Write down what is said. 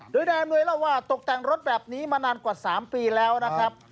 โดยนายอำนวยเล่าว่าตกแต่งรถแบบนี้มานานกว่า๓ปีแล้วนะครับ